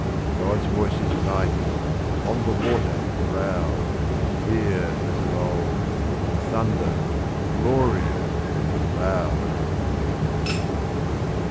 God's voice is mighty, on the water loud, Here, as of old, in thunder, glory, cloud!